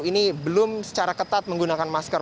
ini belum secara ketat menggunakan masker